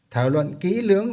thảo luận kỹ lưỡng